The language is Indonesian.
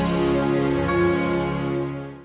kamu meninggal kitab usaka patra itu